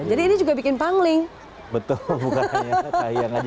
jadi ini juga bikin pangling